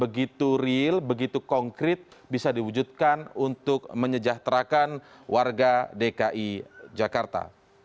begitu real begitu konkret bisa diwujudkan untuk menyejahterakan warga dki jakarta